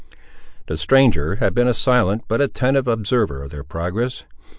The stranger had been a silent but attentive observer of their progress.